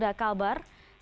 dan pak donny